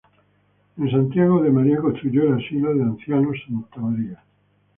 En Santiago de María construyó el asilo de ancianos: Santa María.